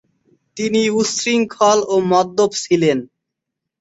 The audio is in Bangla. তিনি উচ্ছৃঙ্খল ও মদ্যপ ছিলেন।